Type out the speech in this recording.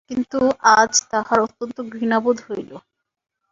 কিন্তু আজ তাহার অত্যন্ত ঘৃণাবোধ হইল।